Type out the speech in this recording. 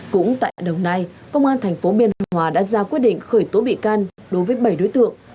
cũng tại đồng nai công an thành phố biên hòa đã ra quyết định khởi tố bị can đối với bảy đối tượng